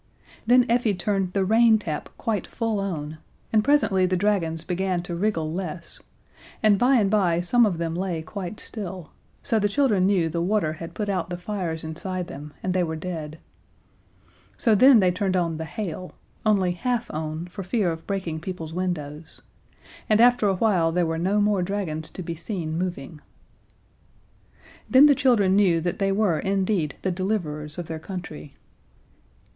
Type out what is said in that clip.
Then Effie turned the rain tap quite full on, and presently the dragons began to wriggle less, and by and by some of them lay quite still, so the children knew the water had put out the fires inside them, and they were dead. So then they turned on the hail only half on, for fear of breaking people's windows and after a while there were no more dragons to be seen moving. Then the children knew that they were indeed the deliverers of their country.